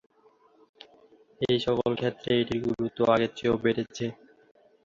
এই সকল ক্ষেত্রে এটির গুরুত্ব আগের চেয়েও বেড়েছে।